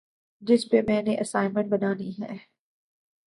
جس پہ میں نے اسائنمنٹ بنانی ہے